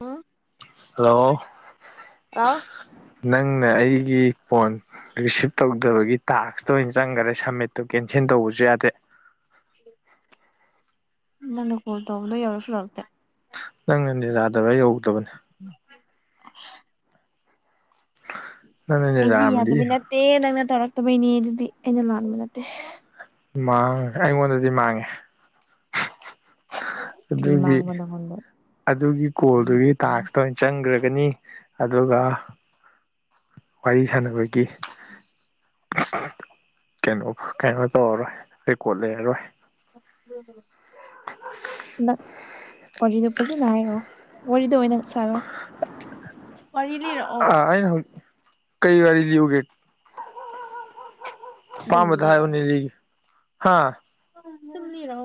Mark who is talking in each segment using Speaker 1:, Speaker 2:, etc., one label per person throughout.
Speaker 1: ꯎꯝ
Speaker 2: hello
Speaker 1: hello
Speaker 2: ꯅꯪꯅ ꯑꯩꯒꯤ phone receive ꯇꯧꯗꯕꯒꯤ ꯇꯥꯛꯁꯇ ꯑꯣꯏꯅ ꯆꯪꯈꯔꯦ ꯁꯝꯃꯤꯠꯇꯨ ꯀꯦꯟꯁꯦꯟ ꯇꯧꯕꯁꯨ ꯌꯥꯗꯦ
Speaker 1: [inaudible] ꯅꯪꯅ ꯀꯣꯜ ꯇꯧꯕꯗꯣ ꯌꯧꯔꯁꯨ ꯂꯧꯔꯛꯇꯦ
Speaker 2: ꯅꯪꯅꯅꯦ ꯌꯥꯥꯗꯕ ꯌꯧꯗꯕꯅꯦ
Speaker 1: [unintelligible]
Speaker 2: ꯅꯪꯅ
Speaker 1: ꯑꯩꯗꯤ
Speaker 2: ꯅꯦꯖꯥꯔꯝꯃꯗꯤ
Speaker 1: ꯌꯥꯗꯕꯩ ꯅꯠꯇꯦ ꯅꯪꯅ ꯇꯧꯔꯛꯇꯕꯩꯅꯦ ꯑꯗꯨꯗꯤ ꯑꯩꯅ ꯂꯥꯟꯕ ꯅꯠꯇꯦ
Speaker 2: ꯃꯥꯡꯉꯦ ꯑꯩꯉꯣꯟꯗꯗꯤ ꯃꯥꯡꯉꯦ
Speaker 1: ꯀꯔꯤ
Speaker 2: ꯑꯗꯨꯒꯤ
Speaker 1: ꯃꯥꯡꯕ ꯅꯪꯉꯣꯟꯗ
Speaker 2: ꯑꯗꯨꯒꯤ ꯀꯣꯜꯗꯨꯒꯤ ꯇꯥꯛꯁꯇ ꯑꯣꯏꯅ ꯆꯪꯈ꯭ꯔꯒꯅꯤ ꯑꯗꯨꯒ ꯋꯥꯔꯤ ꯁꯥꯟꯅꯕꯒꯤ ꯀꯩꯅꯣ ꯀꯩꯅꯣ ꯇꯧꯔꯔꯣꯏ ꯔꯦꯀꯣꯠ ꯂꯩꯔꯔꯣꯏ
Speaker 1: [unintelligible] ꯋꯥꯔꯤꯗꯣ ꯐꯖꯅ ꯍꯥꯏꯔꯣ ꯋꯥꯔꯤꯗ ꯑꯣꯏꯅ ꯁꯥꯔꯣ ꯋꯥꯔꯤ ꯂꯤꯔꯛꯑꯣ
Speaker 2: ꯅ ꯍ ꯀꯩ ꯋꯥꯔꯤ ꯂꯎꯒꯦ
Speaker 1: ꯑꯗꯨꯝ
Speaker 2: ꯄꯝꯗꯥꯅꯤ ꯂꯤꯒ ꯍꯥꯥ
Speaker 1: ꯗꯨꯝ ꯂꯤꯔꯛ ꯑ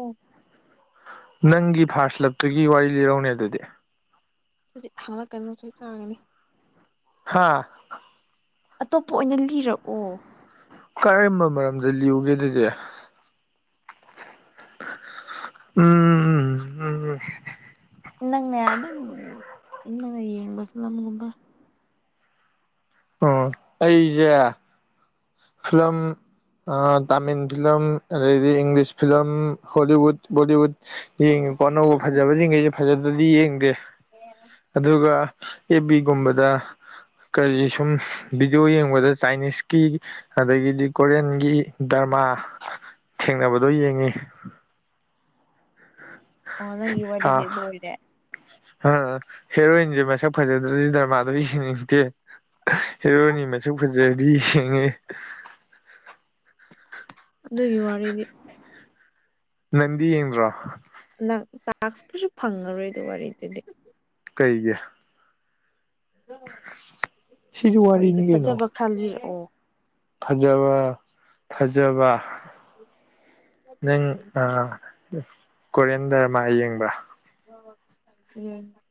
Speaker 2: ꯅꯪꯒꯤ ꯐꯥꯔꯁꯂꯞꯇꯨꯒꯤ ꯋꯥꯔꯤ ꯂꯤꯔꯧꯅꯦ ꯑꯗꯨꯗꯤ
Speaker 1: ꯍꯧꯖꯤ ꯍꯥꯡꯂꯛꯀꯅꯨ ꯁꯤꯣꯏ ꯆꯥꯒꯅꯤ
Speaker 2: ꯍꯥꯥ
Speaker 1: ꯑꯇꯣꯞꯄ ꯑꯣꯏꯅ ꯂꯤꯔꯛꯑꯣ
Speaker 2: ꯀꯔꯝꯕ ꯃꯔꯝꯗ ꯂꯤꯌꯨꯒꯦ ꯑꯗꯨꯗꯤ ꯎꯝ ꯎꯝ ꯎꯝ
Speaker 1: ꯅꯪꯅꯦ ꯑꯗꯨꯝ ꯅꯪꯅ ꯌꯦꯡꯕ ꯐꯤꯂꯝꯒꯨꯝꯕ
Speaker 2: ꯎꯝ ꯑꯩꯁꯦ ꯐꯂꯝ ꯑ ꯇꯥꯝꯜ ꯐꯤꯂꯝꯗꯤ ꯏꯪꯂꯤꯁ ꯐꯤꯂꯝ ꯍꯣꯂꯤꯎꯠ ꯎꯠ ꯌꯦꯡꯉꯤꯀꯣ ꯑꯅꯧꯕ ꯐꯖꯕꯖꯤꯡꯖꯤꯖꯨ ꯐꯖꯗ꯭ꯔꯗꯤ ꯌꯦꯡꯗꯦ
Speaker 1: [unintelligible]
Speaker 2: ꯑꯗꯨꯒ ꯑꯦꯐ ꯕꯤ ꯒꯨꯝꯕꯗ ꯀꯔꯤ ꯁꯨꯝ ꯚꯤꯗꯤꯑꯣ ꯌꯦꯡꯕꯗ ꯆꯥꯏꯅꯤꯁꯀꯤ ꯑꯗꯒꯤꯗꯤ ꯀꯣꯔꯤꯌꯟꯒꯤ ꯗꯔꯃꯥ ꯊꯦꯡꯅꯕꯗꯣ ꯌꯦꯡꯉꯤ
Speaker 1: ꯑꯣ ꯅꯪꯒꯤ ꯋꯥꯔꯤꯗꯤ ꯑꯗꯨ ꯑꯣꯏꯔꯦ
Speaker 2: ꯑ ꯍꯦꯔꯣꯏꯟꯖꯨ ꯃꯁꯛ ꯐꯖꯗ꯭ꯔꯗꯤ ꯗꯔꯃꯥꯗꯣ ꯌꯦꯡꯅꯤꯡꯗꯦ ꯍꯦꯔꯣꯅꯤ ꯃꯁꯛ ꯐꯖꯔꯗꯤ ꯌꯦꯡꯉꯤ
Speaker 1: ꯑꯗꯨꯒꯤ ꯋꯥꯔꯤꯗꯤ
Speaker 2: ꯅꯪꯗꯤ ꯌꯦꯡꯗ꯭ꯔꯣ
Speaker 1: ꯅꯪ ꯇꯥꯛꯁꯄꯨꯁꯨ ꯐꯪꯉꯔꯣꯏꯗ ꯋꯥꯔꯤꯗꯨꯗꯤ
Speaker 2: ꯀꯩꯒꯤ ꯁꯤꯁꯨ
Speaker 1: ꯍꯣꯏꯗꯤ
Speaker 2: ꯋꯥꯔꯤꯅꯤ ꯀꯩꯅꯣ
Speaker 1: ꯐꯖꯕ ꯈꯜꯂꯤꯔꯛꯑꯣ
Speaker 2: ꯐꯖꯕ ꯐꯖꯕ ꯅꯪ ꯀꯦꯟ ꯗꯔꯃꯥ ꯌꯦꯡꯕ꯭ꯔꯥ
Speaker 1: [unintelligible]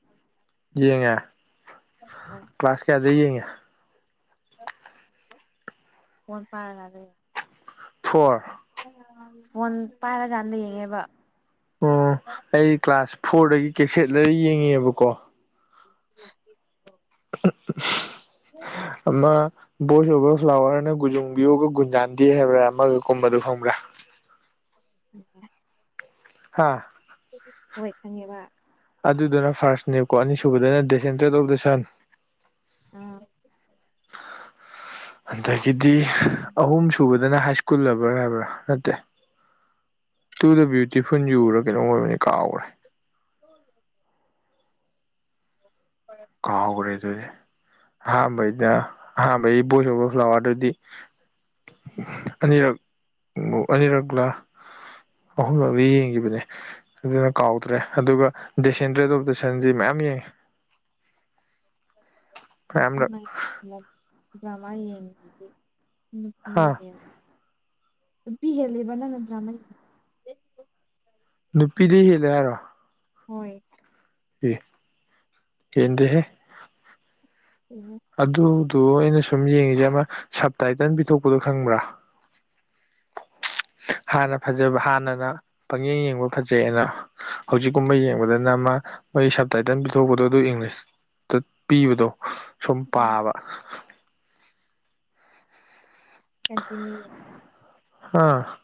Speaker 2: ꯌꯦꯡꯉ
Speaker 1: ꯍꯣꯏ ꯍꯣꯏ
Speaker 2: ꯀ꯭ꯂꯥꯁ ꯀꯌꯥ ꯂꯩꯩꯌꯦꯡꯒꯦ
Speaker 1: [inaudible] [unintelligible]
Speaker 2: ꯐꯣꯔ
Speaker 1: ꯐꯣꯟ ꯄꯥꯏꯔꯀꯥꯟꯗ ꯌꯦꯡꯉꯦꯕ
Speaker 2: ꯑꯣ ꯑꯩ ꯀ꯭ꯂꯥꯁ ꯐꯣꯔꯗꯒꯤ ꯀꯩꯆꯦꯠꯂꯔ ꯌꯦꯡꯉꯦꯕꯀꯣ
Speaker 1: [unintelligible]
Speaker 2: ꯑꯃ ꯕꯣꯏꯁ ꯑꯣꯕꯔ ꯐ꯭ꯂꯥꯋꯔꯅ ꯒꯨꯖꯨꯡꯕꯤꯌꯣꯒ ꯒꯨꯟꯖꯥꯟꯗꯦ ꯍꯥꯏꯕ꯭ꯔꯥ ꯑꯃꯒ ꯀꯨꯝꯕꯗꯣ ꯈꯪꯕ꯭ꯔꯥ
Speaker 1: [unintelligible]
Speaker 2: ꯍꯥ
Speaker 1: ꯍꯣꯏ ꯈꯪꯉꯦꯕꯥ
Speaker 2: ꯑꯗꯨꯗꯨꯅ ꯐꯥꯔꯁꯠꯅꯦꯕꯀꯣ ꯑꯅꯤꯁꯨꯕꯗꯅ ꯗꯦꯁꯦꯟꯗꯦꯟꯠ ꯑꯣꯐ ꯗ ꯁꯟ
Speaker 1: ꯑꯥ
Speaker 2: ꯑꯗꯒꯤꯗꯤ ꯑꯍꯨꯝ ꯁꯨꯕꯗꯅ ꯍꯥꯏꯁ꯭ꯀꯨꯜ ꯂꯕꯔ ꯍꯥꯏꯕ꯭ꯔꯥ ꯅꯠꯇꯦ ꯇꯨ ꯗ ꯕ꯭ꯌꯨꯇꯤꯐꯨꯜ ꯌꯨꯔ ꯀꯩꯅꯣꯝ ꯑꯣꯏꯕꯅꯦ ꯀꯥꯎꯒ꯭ꯔꯦ
Speaker 1: [inaudible] [inaudible]
Speaker 2: ꯀꯥꯎꯒ꯭ꯔꯦ ꯑꯗꯨꯗꯤ ꯑꯍꯥꯟꯕꯩꯗ ꯑꯍꯥꯥꯟꯕꯩ ꯕꯣꯏꯁ ꯑꯣꯕꯔ ꯐ꯭ꯂꯥꯋꯔꯗꯨꯗꯤ ꯑꯅꯤꯔꯛ ꯑꯅꯤꯔꯛꯂꯥ ꯑꯍꯨꯝꯂꯛꯂ ꯌꯦꯡꯒꯤꯕꯅꯦ ꯑꯗꯨꯅ ꯀꯥꯎꯗ꯭ꯔꯦ ꯑꯗꯨꯒ ꯗꯤꯁꯦꯟꯗ꯭ꯔꯦꯠ ꯑꯣꯐ ꯗ ꯁꯟꯗꯤ ꯃꯌꯥꯝ ꯌꯦꯡꯉꯦ ꯃꯌꯥꯝꯔꯛ
Speaker 1: [inaudible] ꯗ꯭ꯔꯃꯥ [unintelligible] ꯅꯨꯄꯤ
Speaker 2: ꯍꯥ
Speaker 1: ꯍꯦꯜ ꯅꯨꯄꯤ ꯍꯦꯜꯂꯤꯕ ꯅꯪꯅ ꯗ꯭ꯔꯃꯥ ꯌꯦꯡꯉꯤ
Speaker 2: ꯅꯨꯄꯤꯗꯩꯩ ꯍꯦꯜꯂꯤ ꯍꯥꯏꯔꯣ
Speaker 1: ꯍꯣꯏ
Speaker 2: ꯑꯦ ꯌꯦꯗꯦꯍꯦ
Speaker 1: ꯍꯦꯟꯂꯤ
Speaker 2: ꯑꯗꯨꯗꯣ ꯑꯩꯅ ꯁꯨꯝ ꯌꯦꯡꯉꯤꯖꯦ ꯑꯃ ꯁꯞꯇꯥꯏꯇꯟ ꯄꯤꯊꯣꯛꯄꯗꯣ ꯈꯪꯕ꯭ꯔꯥ ꯍꯥꯟꯅ ꯐꯖꯕ ꯍꯥꯟꯅꯅ ꯄꯪꯌꯦꯡ ꯌꯦꯡꯕ ꯐꯖꯩꯑꯅ ꯍꯧꯖꯤꯛꯀꯨꯝꯕ ꯌꯦꯡꯕꯗꯅ ꯃꯥ ꯃꯣꯏ ꯁꯕꯇꯥꯏꯇꯜ ꯄꯤꯊꯣꯛꯄꯗꯣ ꯑꯗꯨ ꯏꯪꯂꯤꯁ ꯇꯨꯠ ꯄꯤꯕꯗꯣ ꯁꯨꯝ ꯄꯥꯕ
Speaker 1: ꯀꯟꯇꯤꯅꯌꯨꯂꯤ
Speaker 2: ꯍꯥ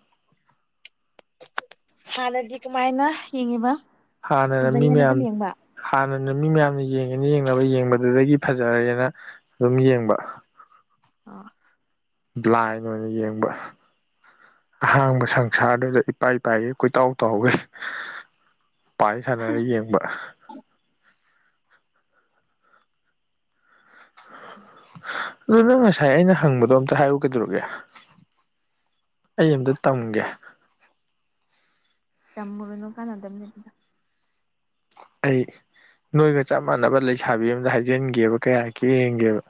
Speaker 1: ꯍꯥꯟꯅꯗꯤ ꯀꯃꯥꯏꯅ ꯌꯦꯡꯉꯤꯕ
Speaker 2: ꯍꯥꯟꯅꯅ ꯃꯤ
Speaker 1: ꯐꯖꯩꯌꯦꯅ
Speaker 2: ꯃꯌꯥꯝ
Speaker 1: ꯑꯗꯨꯝ ꯌꯦꯡꯕ
Speaker 2: ꯍꯥꯟꯅꯅ ꯃꯤ ꯃꯌꯥꯝꯅ ꯌꯦꯡꯉꯅꯤ ꯌꯦꯡꯅꯕ ꯌꯦꯡꯕꯗꯨꯗꯒꯤ ꯐꯖꯔꯦꯅ ꯑꯗꯨꯝ ꯌꯦꯡꯕ
Speaker 1: [inaudible]
Speaker 2: ꯕ꯭ꯂꯥꯏꯟ ꯑꯣꯏꯅ ꯌꯦꯡꯕ ꯑꯍꯥꯡꯕ ꯁꯪꯁꯥꯔꯗꯨꯗ ꯏꯄꯥꯏ ꯄꯥꯏꯒꯩ ꯀꯣꯏꯇꯥꯎ ꯇꯥꯎꯒꯩ ꯄꯥꯏ ꯁꯥꯟꯅꯔ ꯌꯦꯡꯕ ꯑꯗꯨ ꯅꯪ ꯉꯁꯥꯏ ꯑꯩꯅ ꯍꯪꯕꯗꯣ ꯑꯝꯇ ꯍꯥꯏꯌꯨ ꯀꯩꯗꯧꯔꯒꯦ ꯑꯩ ꯑꯝꯇ ꯇꯝꯒꯦ
Speaker 1: ꯇꯝꯃꯨꯅꯨ ꯀꯥꯟꯗꯕꯅꯤꯗ
Speaker 2: ꯑꯩ ꯅꯣꯏꯒ ꯆꯞ ꯃꯥꯟꯅꯕ ꯂꯩꯁꯥꯕꯤ ꯑꯃꯗ ꯍꯥꯏꯖꯤꯟꯒꯦꯕ ꯀꯩ ꯍꯥꯏꯔꯛꯀꯦ ꯌꯦꯡꯒꯦꯕ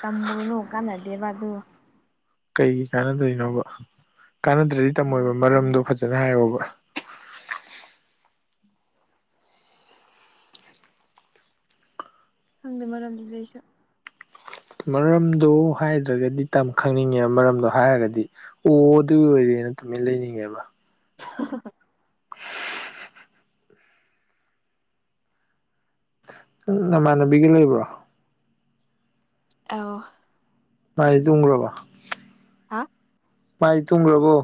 Speaker 1: ꯇꯝꯃꯨꯔꯨꯅꯨ ꯀꯥꯟꯅꯗꯦꯕ ꯑꯗꯨ
Speaker 2: ꯀꯩꯒꯤ ꯀꯥꯟꯅꯗꯣꯏꯅꯣꯕ ꯀꯥꯟꯅꯗ꯭ꯔꯗꯤ ꯇꯝꯃꯣꯏꯕ ꯃꯔꯝꯗꯣ ꯐꯖꯅ ꯍꯥꯏꯌꯣꯕ
Speaker 1: ꯈꯪꯗꯦ ꯃꯔꯝꯗꯨꯗꯤ ꯑꯩꯁꯨ
Speaker 2: ꯃꯔꯝꯗꯨ ꯍꯥꯏꯗ꯭ꯔꯒꯗꯤ ꯇꯝ ꯈꯪꯅꯤꯡꯉꯦꯕ ꯃꯔꯝꯗꯣ ꯍꯥꯏꯔꯒꯗꯤ ꯑꯣ ꯑꯗꯨ ꯑꯣꯏꯔꯦꯅ ꯇꯨꯃꯤꯟ ꯂꯩꯅꯤꯡꯉꯦꯕ
Speaker 1: [unintelligible]
Speaker 2: [inaudible] ꯅꯃꯥꯟꯅꯕꯤꯒ ꯂꯩꯕ꯭ꯔꯣ
Speaker 1: [inaudible]
Speaker 2: ꯃꯥꯗꯤ ꯇꯨꯝꯒ꯭ꯔꯕꯣ
Speaker 1: ꯍꯥ
Speaker 2: ꯃꯥꯘꯤ ꯇꯨꯡꯈ꯭ꯔꯕꯣ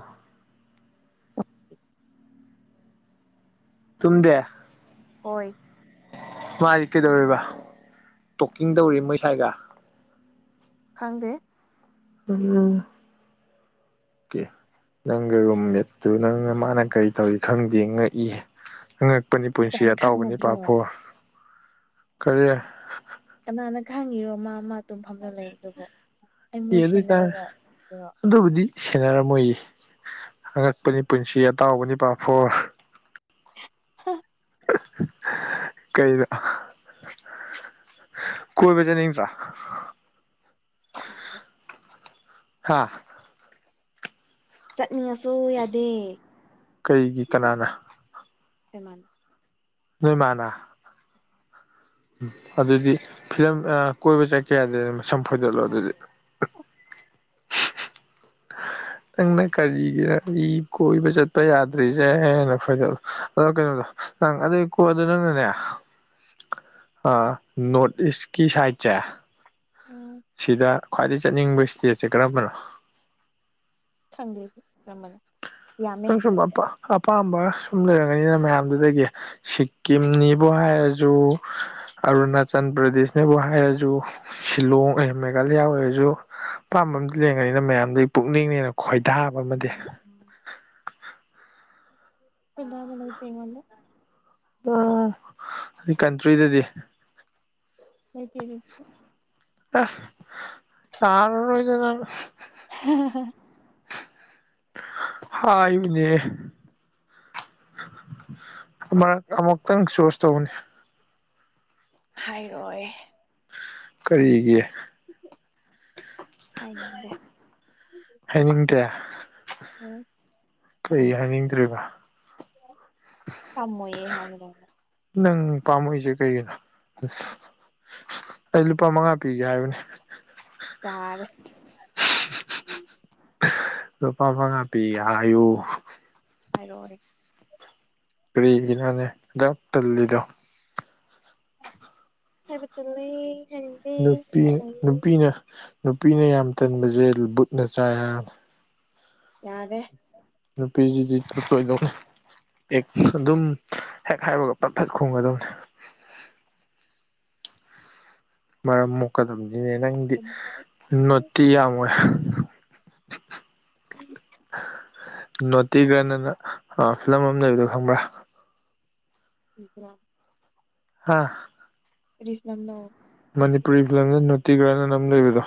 Speaker 2: ꯇꯨꯝꯗꯦ
Speaker 1: ꯍꯣꯏ
Speaker 2: ꯃꯥꯘꯤ ꯀꯩꯗꯧꯔꯤꯕ ꯇꯣꯛꯀꯤꯡ ꯇꯧꯔꯏ ꯃꯣꯏ ꯁꯥꯏꯒ
Speaker 1: ꯈꯪꯗꯦ
Speaker 2: ꯎꯝ ꯀꯦ ꯅꯪꯒꯤ ꯔꯨꯝꯃꯦꯠꯇꯨ ꯅꯪꯅ ꯃꯥꯅ ꯀꯔꯤ ꯇꯧꯔꯤ ꯈꯪꯗꯦ ꯉꯛꯏꯍ‌ꯦ ꯑꯩꯒꯤ ꯄꯨꯟꯁꯤ
Speaker 1: ꯀꯅꯥ
Speaker 2: ꯑꯇꯥꯎꯕꯅꯤ
Speaker 1: ꯈꯪꯒꯗ꯭ꯔꯣ
Speaker 2: ꯄꯥꯐꯣꯔ ꯀꯔꯤ
Speaker 1: ꯀꯅꯥꯅ ꯈꯥꯡꯉꯤꯔꯣ ꯃꯥ ꯃꯥ ꯇꯨꯝꯐꯝꯘ ꯂꯩꯕꯗꯨꯕꯣ ꯑꯩ ꯃꯣꯏ
Speaker 2: ꯇ‌ꯦꯟꯗ ꯑꫭꯏꯇꯔ‌ꯦ
Speaker 1: ꯁꯦꯟꯅꯔꯒ ꯀꯩꯅꯣ
Speaker 2: ꯑꯗꯨꯕꯨꯗꯤ ꯁꯦꯟꯅꯔꯝꯃꯣꯏꯌꯦ ꯑꯉꯛꯄꯅꯤ ꯄꯨꯟꯁꯤ ꯑꯇꯥꯎꯕꯅꯤ ꯄꯥꯐꯣꯔ
Speaker 1: ꯍ [inaudible]
Speaker 2: ꯀꯩꯅꯣ ꯀꯣꯏꯕ ꯆꯠꯅꯤꯡꯗ꯭ꯔꯣ
Speaker 1: ꯆꯠꯅꯤꯡꯗ‌ꯦ
Speaker 2: ꯍꯥꯥ
Speaker 1: ꯆꯠꯅꯤꯡꯉꯁꯨ ꯌꯥꯗꯦ
Speaker 2: ꯀꯩꯒꯤ ꯀꯅꯥꯅ
Speaker 1: ꯁꯃꯅ [unintelligible]
Speaker 2: ꯅꯣꯏ ꯃꯥꯅ ꯎꯝ ꯑꯗꯨꯗꯤ ꯐꯤꯂꯝ ꯑ ꯀꯣꯏꯕ ꯆꯠꯀꯦ ꯌꯥꯘꯘꯤ ꯃꯁꯝ ꯐꯣꯏꯗꯠꯂꯣ ꯑꯗꯨꯗꯤ ꯅꯪꯅ ꯀꯔꯤꯒꯤꯔ ꯑꯩ ꯀꯣꯏꯕ ꯆꯠꯄ ꯌꯥꯗ꯭ꯔꯤꯁꯦꯅ ꯐꯣꯏꯗꯠꯂꯨ ꯑꯗꯣ ꯀꯩꯅꯣꯗꯣ ꯅꯪ ꯑꯗꯨꯏ ꯀꯣꯜꯗꯨ ꯅꯪꯅꯅꯦ ꯑ ꯅꯣꯔꯠ ꯏꯁꯀꯤ ꯁꯥꯏꯠꯁꯦ
Speaker 1: ꯎꯝ
Speaker 2: ꯁꯤꯗ ꯈ꯭ꯋꯥꯏꯗꯒꯤ ꯆꯠꯅꯤꯡꯕ ꯏꯁꯇꯦꯠꯁꯦ ꯀꯔꯝꯕꯅꯣ
Speaker 1: ꯈꯪꯗꯦ ꯌꯥꯝꯃꯦ
Speaker 2: ꯅꯪ ꯁꯨꯝ ꯑꯄꯥꯝꯕ ꯁꯨꯝ ꯂꯩꯔꯝꯒꯅꯤꯅ ꯃꯌꯥꯝꯗꯨꯗꯒꯤ ꯁꯤꯛꯀꯤꯝꯅꯤꯕ ꯍꯥꯏꯔꯖꯨ ꯑꯔꯨꯅꯥꯆꯜ ꯄ꯭ꯔꯗꯦꯁꯅꯤꯕꯨ ꯍꯥꯏꯔꯖꯨ ꯁꯤꯂꯣꯡ ꯑꯦ ꯃꯦꯒꯥꯂꯌꯥ ꯑꯣꯏꯔꯁꯨ ꯑꯄꯥꯝꯕꯃꯗꯤ ꯂꯩꯡꯉꯅꯤꯅ ꯃꯌꯥꯝꯗꯨ ꯄꯨꯛꯅꯤꯡꯅꯦꯅ ꯈꯣꯏꯗꯥꯕ ꯑꯃꯗꯤ
Speaker 1: ꯅꯦꯄꯦꯉ [inaudible]
Speaker 2: ꯑꯣ ꯀꯟꯇ꯭ꯔꯤꯗꯗꯤ
Speaker 1: ꯂꯩꯇ‌ꯦ ꯀꯩꯁꯨ
Speaker 2: ꯇ ꯇꯥꯔ‌ꫭꯏꯗ ꯅꯪ...
Speaker 1: ꯍ [inaudible]
Speaker 2: ꯍꯥꯏꯌꯨꯅꯦ ꯑ ꯑꯃꯨꯛ ꯇꯪ ꯆꯨꯠꯁ ꯇꯧꯑ‌ꫭꯅ‌ꯦ
Speaker 1: ꯍꯥꯏꯔꯣꯏ
Speaker 2: ꯀꯔꯤꯒꯤ
Speaker 1: ꯍꯥꯏꯅꯤꯡꯗ‌ꯦ
Speaker 2: ꯍꯥꯏꯅꯤꯡꯘꯦ
Speaker 1: ꯎꯝ
Speaker 2: ꯀꯩ ꯍꯥꯏꯅꯤꯡꯗ꯭ꯔꯤꯕ
Speaker 1: ꯄꯥꯝꯃꯣꯏꯌꯦ ꯍꯥꯏꯒꯗ
Speaker 2: ꯅꯪ ꯄꯥꯝꯃꯨꯏꯁꯦ ꯀꯩꯒꯤꯅꯣ ꯑꯩ ꯂꯨꯄꯥ ꯃꯉꯥ ꯄꯤꯒꯦ ꯍꯥꯏꯕꯅꯤ
Speaker 1: ꯌꯥꯔꯦ
Speaker 2: ꯂꯨꯄꯥ ꯃꯉꯥ ꯄꯤꯒꯦ ꯍꯥꯏꯌꯨ
Speaker 1: ꯍꯥꯏꯔꯣꯅꯦ
Speaker 2: ꯀꯔꯤꯒꯤꯅꯣꯅꯦ ꯑꯘꯨꯛꯌꯥꯝ ꯇꯜꯂꯤꯗꯣ
Speaker 1: ꯍꯥꯏꯕ ꯇꯜꯂꯦ ꯍꯥꯏ
Speaker 2: ꯅꯨꯄꯤ ꯅꯨꯄꯤꯅ ꯅꯨꯄꯤꯅ ꯌꯥꯝ ꯇꯟꯕꯁꯦ ꯕꯨꯠꯅ ꯆꯥꯏ ꯍꯥꯏꯅꯤ
Speaker 1: ꯌꯥꯔꯦ
Speaker 2: ꯅꯨꯄꯤꯁꯤꯗꯤ ꯇꯜꯂꯣꯏꯗꯧꯅꯤ ꯍꯦꯛ ꯑꯗꯨꯝ ꯍꯦꯛ ꯍꯥꯏꯕꯒ ꯄꯠ ꯄꯠ ꯈꯨꯝꯒꯗꯧꯅꯤ ꯃꯔꯝ ꯃꯨꯛꯀꯗꯕꯅꯤꯅꯦ ꯅꯪꯗꯤ ꯅꯣꯠꯇꯤ ꯌꯥꯝ ꯑꯣꯏ
Speaker 1: ꯎꯝ
Speaker 2: ꯅꯣꯇꯤꯒꯅꯅ ꯐꯤꯂꯝ ꯑꯃ ꯂꯩꯕꯗꯣ ꯈꯪꯕ꯭ꯔꯥ
Speaker 1: ꯎ [inaudible]
Speaker 2: ꯍꯥ
Speaker 1: ꯀꯔꯤ ꯐꯤꯂꯝꯅꯣ
Speaker 2: ꯃꯅꯤꯄꯨꯔꯤ ꯐꯤꯂꯝꯗ ꯅꯥꯎꯇꯤ ꯒꯜ ꯑꯅ ꯑꯃ ꯂꯩꯕꯗꯣ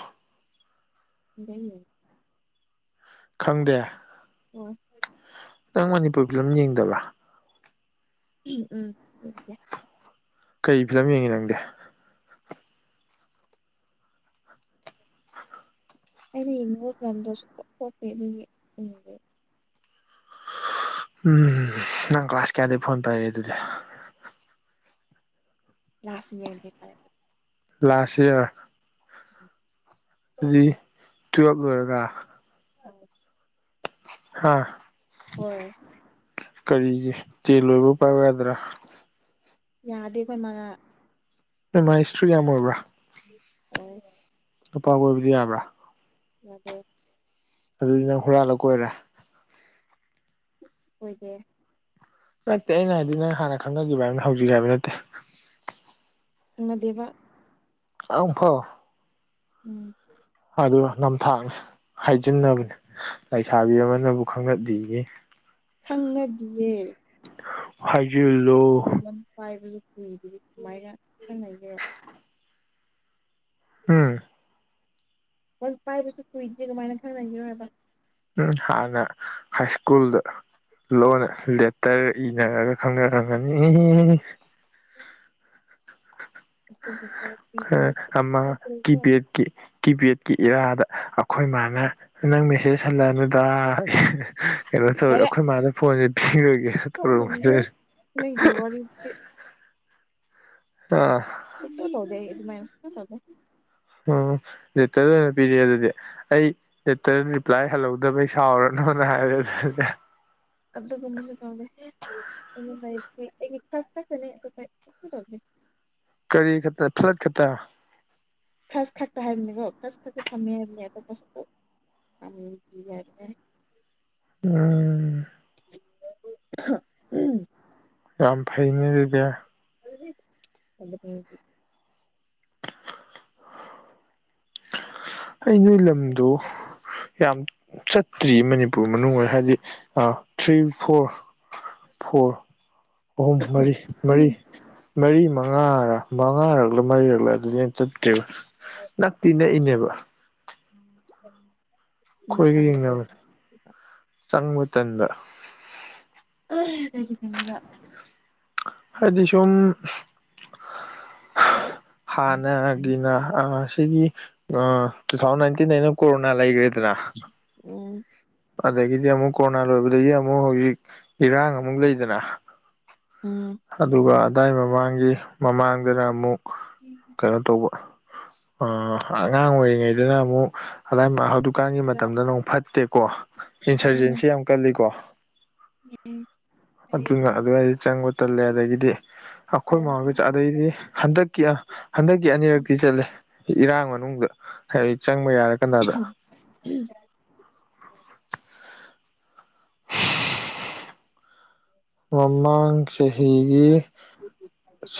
Speaker 1: ꯂꯩ
Speaker 2: ꯈꯪꯗꯦ
Speaker 1: ꯍꯣꯏ
Speaker 2: ꯅꯪ ꯃꯅꯤꯄꯨꯔ ꯐꯤꯂꯝ ꯌꯦꯡꯗꯕ꯭ꯔꯥ
Speaker 1: ꯎꯝ ꯌꯦꯡꯗꯦ
Speaker 2: ꯀꯔꯤ ꯐꯤꯂꯝ ꯌꯦꯡꯉꯤ ꯅꯪꯗꯤ
Speaker 1: ꯑꯩꯅ ꯌꯦꯡꯅꯤꯡꯕ ꯐꯤꯂꯝꯗꯣ ꯁꯨꯛꯊꯣꯛ ꯊꯣꯛꯇꯦ ꯑꯗꯨꯒꯤ
Speaker 2: ꯎꯝ ꯅꯪ ꯀ꯭ꯂꯥꯁ ꯀꯌꯥꯗꯩ ꯐꯣꯟ ꯄꯥꯢꯔꯛꯏ ꯑꯗꯨꯗꯤ
Speaker 1: ꯂꯥꯁ ꯌꯔꯗꯩ
Speaker 2: ꯂꯥꯁ ꯏꯌꯥꯔ ꯑꯗꯨꯗꯤ ꯇꯨꯌꯦꯟ ꯂꯣꯢꯔꯒ
Speaker 1: ꯑꯅꯤ
Speaker 2: ꯍꯥꯥ
Speaker 1: ꯍꯣꯏ
Speaker 2: ꯀꯔꯤꯒꯤ ꯇꯦꯜ ꯂꯣꯏꯕ ꯄꯥꯌꯨ ꯌꯥꯗ꯭ꯔꯥ
Speaker 1: ꯌꯥꯗꯦ ꯑꯩꯈꯣꯏ ꯃꯥꯅ
Speaker 2: ꯅꯣꯢ ꯃꯥꯥ ꯏꯁꯇ꯭ꯔꯤꯛ ꯌꯥꯝ ꯑꯣꯢꯕ꯭ꯔꯥ
Speaker 1: ꯑꯣꯏ
Speaker 2: ꯅꯨꯄꯥ ꯀꯣꯏꯕꯗꯤ ꯌꯥꯕ꯭ꯔꯥ
Speaker 1: ꯌꯥꯗꯦ
Speaker 2: ꯑꯗꯨꯗꯤ ꯅꯪ ꯍꯨꯔꯥꯜꯂ ꯀꯣꯏꯔꯦ
Speaker 1: ꯀꯣꯏꯗꯦ
Speaker 2: ꯅꯠꯇꯦ ꯑꯩꯅ ꯍꯥꯏꯗꯤ ꯅꯪ ꯍꯥꯟꯅ ꯈꯪꯅꯒꯤꯕ꯭ꯔ ꯍꯥꯏꯕꯅꯤ ꯍꯧꯖꯤꯛ ꯍꯥꯏꯕ ꯅꯠꯇꯦ
Speaker 1: ꯈꯪꯅꯗꯦꯕ
Speaker 2: ꯑꯝꯐꯥꯎ
Speaker 1: ꯎꯝ
Speaker 2: ꯑꯗꯨ ꯅꯝꯊꯥꯛꯅꯤ ꯍꯥꯏꯖꯤꯟꯅꯕꯅꯦ ꯂꯩꯁꯥꯕꯤ ꯑꯃꯅꯕꯨ ꯈꯪꯅꯗꯦꯌꯦ
Speaker 1: ꯈꯪꯅꯗꯤꯌꯦ
Speaker 2: ꯍꯥꯏꯖꯤꯜꯂꯣ
Speaker 1: ꯐꯣꯟ ꯄꯥꯏꯕꯁꯨ ꯃꯤꯗꯨꯗꯤ ꯀꯃꯥꯏꯅ ꯈꯪ ꯂꯩꯒꯦꯔꯣ
Speaker 2: ꯎꯝ
Speaker 1: ꯍ ꯄꯥꯏꯕꯁꯨ ꯀꯨꯏꯗ꯭ꯔꯤ ꯀꯃꯥꯏꯅ ꯈꯪꯅꯒꯦꯔꯣ ꯍꯥꯏꯕ
Speaker 2: ꯎꯝ ꯍꯥꯟꯅ ꯍꯥꯏ ꯁ꯭ꯀꯨꯜꯗ ꯂꯣꯟꯅ ꯂꯦꯇꯔ ꯏꯅꯔꯒ ꯈꯪꯅ ꯔꯝꯒꯅꯤ
Speaker 1: ꯑꯈꯣꯢ ꯂꯦꯇꯔ ꯄꯤꯗꯦ [unintelligible]
Speaker 2: ꯀꯤ ꯀꯤꯄꯦꯗꯀꯤ ꯏꯔꯥꯗ ꯑꯈꯣꯏ ꯃꯥꯅ ꯅꯪ ꯃꯦꯁꯦꯖ ꯍꯜꯂꯛ ꯑꯅꯨ ꯗꯥ ꯀꯩꯅꯣ ꯇꯧꯔꯦ
Speaker 1: ꯍꯥꯏꯔꯦ
Speaker 2: ꯑꯩꯈꯣꯏ ꯃꯥꯗ ꯐꯣꯟꯁꯦ ꯄꯤꯈꯒꯦ [unintelligible]
Speaker 1: ꯋꯥꯔꯅꯤꯡ ꯄꯤ
Speaker 2: ꯑꯥ
Speaker 1: ꯁꯨꯛꯇꯧ ꯇꯧꯗꯦ ꯑꯩ ꯑꯗꯨꯃꯥꯏ ꯁꯛꯇꯧ ꯇꯧꯗꯦ
Speaker 2: ꯑꯣ ꯂꯦꯇꯔꯗ ꯑꯣꯏꯅ ꯄꯤꯔꯦ ꯑꯗꯨꯗꯤ ꯑꯩ ꯂꯦꯇꯔ ꯔꯤꯄ꯭ꯂꯥꯏ ꯍꯜꯍꯧꯗꯕꯩ ꯁꯥꯎꯔꯅꯣꯅ ꯍꯥꯏꯔꯦ ꯑꯗꯨ
Speaker 1: ꯑꯗꯨꯒꯨꯝꯕꯁꯨ ꯇꯧꯗꯦ ꯑꯗꯨ ꯑꯩꯒꯤ ꯀ꯭ꯂꯁ ꯈꯛꯇꯅꯦ ꯑꯇꯣꯄ ꯀꯩꯁꯨ ꯇꯧꯗꯦ
Speaker 2: ꯀꯔꯤ ꯈꯠꯇ ꯐ꯭ꯂꯠ ꯈꯠꯇ
Speaker 1: ꯈꯔꯁ ꯈꯛꯇ ꯍꯥꯏꯕꯅꯤꯀꯣ ꯈꯔꯁ ꯈꯛꯇ ꯊꯝꯃꯦ ꯍꯥꯏꯕꯅꯦ ꯑꯇꯣꯞꯄꯁꯨꯄꯣ ꯌꯥꯝ ꯀꯥ ꯍꯥꯏꯕꯅꯦ
Speaker 2: ꯎꯝ
Speaker 1: ꯎꯝ
Speaker 2: ꯌꯥꯝꯝ ꯐꯥꯏꯅꯦ ꯑꯗꯨꯗꯤ
Speaker 1: [unintelligible]
Speaker 2: ꯑꯩ ꯅꯣꯏ ꯂꯝꯗ ꯀꯌꯥꯝ ꯆꯠꯇ꯭ꯔꯤ ꯃꯅꯤꯄꯨꯔ ꯃꯅꯨꯡ ꯍꯥꯏꯗꯤ ꯊ꯭ꯔꯤ ꯐꯣꯔ ꯐꯣꯔ ꯑꯍꯨꯝ ꯃꯔꯤ ꯃꯔꯤ ꯃꯔꯤ ꯃꯉꯥꯔ ꯃꯉꯥꯔꯛꯂ ꯃꯔꯤꯔꯛꯂ ꯑꯗꯨꯗꯤ ꯍꯦꯟ ꯆꯠꯇ꯭ꯔꯦꯕ ꯇꯤꯟꯅ ꯏꯅꯦꯕ ꯈꯣꯏꯒ ꯌꯦꯡꯅꯕꯅꯤ ꯆꯪꯕ ꯇꯜꯕ
Speaker 1: [unintelligible]
Speaker 2: ꯍꯥꯏꯗꯤ ꯁꯨꯝ ꯍꯥꯟꯅꯒꯤꯅ ꯑ ꯁꯤꯒꯤ ꯑ ꯇꯨ ꯊꯥꯎꯖꯟꯅꯥꯏꯟꯇꯤꯟ ꯀꯣꯔꯣꯅꯥ ꯂꯩꯒ꯭ꯔꯦꯗꯅꯥ
Speaker 1: ꯎꯝ
Speaker 2: ꯑꯗꯒꯤꯗꯤ ꯑꯃꯨꯛ ꯀꯣꯔꯣꯅꯥ ꯂꯣꯏꯕꯗꯒꯤ ꯑꯃꯨꯛ ꯍꯧꯖꯤꯛ ꯏꯔꯥꯡ ꯑꯃꯨꯛ ꯂꯩꯗꯅ
Speaker 1: ꯎꯝ
Speaker 2: ꯑꯗꯨꯒ ꯑꯗꯥꯏ ꯃꯃꯥꯡꯒꯤ ꯃꯃꯥꯡꯗꯅ ꯑꯃꯨꯛ
Speaker 1: ꯎꯝ
Speaker 2: ꯀꯩꯅꯣ ꯇꯧꯕ ꯑꯉꯥꯡ ꯑꯣꯏꯔꯤꯉꯩꯗꯅ ꯑꯃꯨꯛ ꯑꯗꯥꯏ ꯀꯥꯟꯒꯤ ꯃꯇꯝꯗ ꯅꯣꯡ ꯐꯠꯇꯦꯀꯣ ꯏꯟꯁꯔꯖꯦꯟꯁꯤ ꯌꯥꯝ ꯀꯜꯂꯤꯀꯣ
Speaker 1: ꯎꯝ
Speaker 2: ꯑꯗꯨꯅ ꯑꯗꯨꯋꯥꯏꯗ ꯆꯪꯕ ꯇꯜꯂꯦ ꯑꯗꯒꯤꯗꯤ ꯑꯩꯈꯣꯏ ꯃꯔꯒ ꯑꯗꯩꯗꯤ ꯍꯟꯗꯛꯀꯤ ꯍꯟꯗꯛꯀꯤ ꯑꯅꯤꯔꯛꯇꯤ ꯆꯠꯂꯦ ꯏꯔꯥꯡ ꯃꯅꯨꯡꯗ ꯍꯥꯏ ꯆꯪꯕ ꯌꯥꯔꯥ
Speaker 1: ꯎꯝ
Speaker 2: ꯃꯃꯥꯡ ꯆꯍꯤꯒꯤ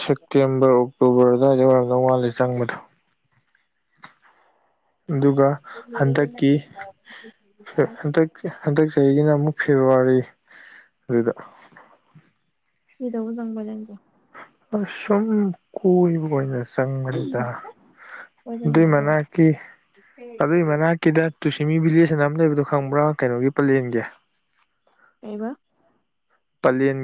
Speaker 2: ꯁꯦꯛ ꯁꯦꯞꯇꯦꯝꯕꯔ ꯑꯣꯛꯇꯣꯕꯔ ꯑꯗꯥꯏꯗ ꯑꯣꯏꯔꯝꯗꯧ ꯃꯥꯜꯂꯦ ꯆꯪꯕꯗꯣ ꯑꯗꯨꯒ ꯍꯟꯗꯛꯀꯤ ꯍꯟꯗꯛ ꯍꯟꯗꯛ ꯆꯍꯤꯒꯤꯅ ꯑꯃꯨꯛ ꯐꯦꯕꯥꯋꯥꯔꯤ ꯑꯗꯨꯗ
Speaker 1: ꯃꯤꯗꯧꯅ ꯆꯪꯕꯅꯦ ꯑꯗꯨ
Speaker 2: ꯑꯁꯨꯝ ꯀꯣꯏꯕ ꯑꯣꯏꯅ ꯆꯪꯕꯅꯤꯗ
Speaker 1: ꯀꯣꯏꯕ
Speaker 2: ꯑꯗꯨꯏ
Speaker 1: ꯅꯨꯡꯉꯥꯏꯕ꯭ꯔꯣ
Speaker 2: ꯃꯅꯥꯛꯀꯤ ꯑꯗꯨꯏ ꯃꯅꯥꯛ ꯀꯤꯗ ꯇꯨꯁꯤꯃꯤ ꯚꯤꯂꯦꯖꯅ ꯑꯃ ꯂꯩꯕꯗꯣ ꯈꯪꯕ꯭ꯔꯥ ꯀꯩꯅꯣꯒꯤ ꯄꯂꯦꯟꯒꯤ
Speaker 1: ꯀꯩꯕ
Speaker 2: ꯄꯂꯦꯟ